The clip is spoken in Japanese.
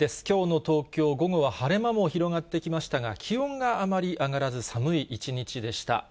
きょうの東京、午後は晴れ間も広がってきましたが、気温があまり上がらず、寒い一日でした。